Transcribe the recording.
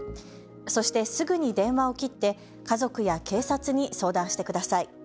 そしてすぐに電話を切って家族や警察に相談してください。